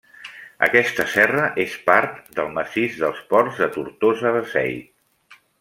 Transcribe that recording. Aquesta serra és part del massís dels Ports de Tortosa-Beseit.